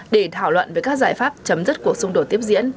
để thảo luận về các giải pháp chấm dứt cuộc xung đột tiếp diễn